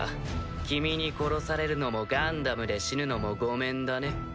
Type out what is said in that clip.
君に殺されるのもガンダムで死ぬのも御免だね。